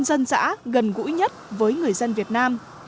dân dã gần gũi nhất với người dân việt nam